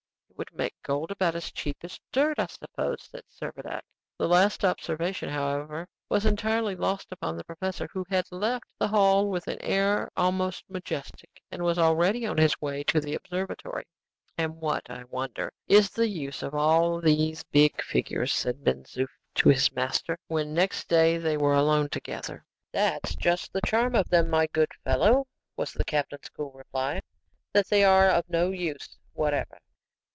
"It would make gold about as cheap as dirt, I suppose," said Servadac. The last observation, however, was entirely lost upon the professor, who had left the hall with an air almost majestic, and was already on his way to the observatory. "And what, I wonder, is the use of all these big figures?" said Ben Zoof to his master, when next day they were alone together. "That's just the charm of them, my good fellow," was the captain's cool reply, "that they are of no use whatever."